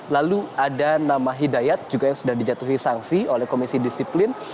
lalu ada nama hidayat juga yang sudah dijatuhi sanksi oleh komisi disiplin